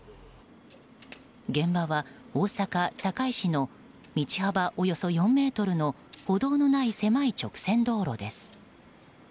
現場は大阪・堺市の道幅およそ４ｍの歩道のない狭い直線道路です。